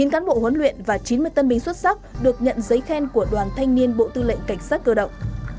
một mươi cán bộ huấn luyện và chín mươi tân binh xuất sắc được nhận giấy khen của đoàn thanh niên bộ tư lệnh cảnh sát cơ động